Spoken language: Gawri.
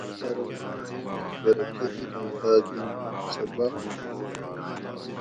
ارو مئ تسیں دِیت پرہ کہ دِیت اوں تاۤس گینڑی سہ باۤخود ھی